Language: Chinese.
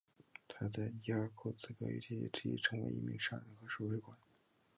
他在伊尔库茨克与弟弟一起成为一名商人和收税官。